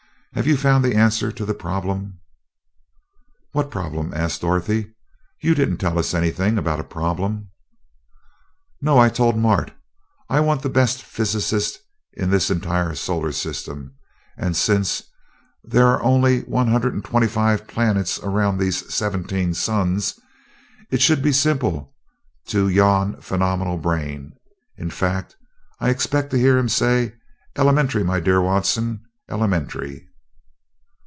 Have you found the answer to the problem?" "What problem?" asked Dorothy. "You didn't tell us anything about a problem." "No, I told Mart. I want the best physicist in this entire solar system and since there are only one hundred and twenty five planets around these seventeen suns, it should be simple to yon phenomenal brain. In fact, I expect to hear him say 'elementary, my dear Watson, elementary'!"